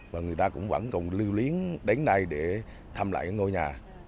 và người ta cũng vẫn còn lưu luyến đến nay để thăm lại ngôi nhà